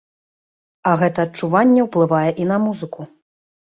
А гэта адчуванне ўплывае і на музыку.